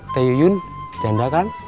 teh yun janda kan